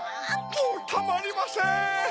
もうたまりません！